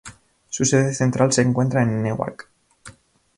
Su sede central se encuentra en Newark.